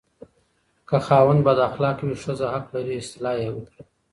که خاوند بداخلاقه وي، ښځه حق لري اصلاح وکړي.